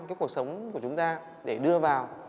cuộc sống của chúng ta để đưa vào